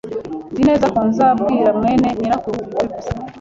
Nzi neza ko nzabwira mwene nyirakuru wabivuze.